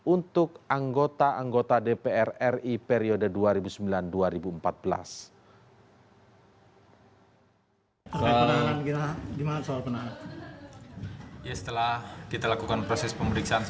untuk anggota anggota dpr ri periode dua ribu sembilan dua ribu empat belas